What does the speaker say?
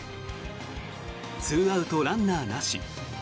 ２アウト、ランナーなし。